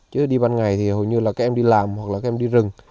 chứ đi ban ngày thì hầu như là các em đi làm hoặc là các em đi rừng